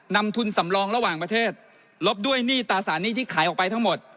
นำทุนสำรองระหว่างประเทศลบด้วยหนี้ตราสารหนี้ที่ขายออกไปทั้งหมด